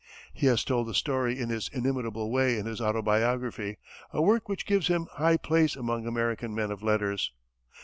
He has told the story in his inimitable way in his autobiography, a work which gives him high place among American men of letters.